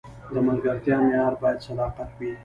د ملګرتیا معیار باید صداقت وي.